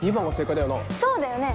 そうだよね